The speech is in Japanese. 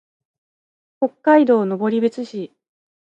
北海道登別市